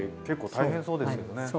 結構大変そうですよね。